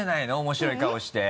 面白い顔して。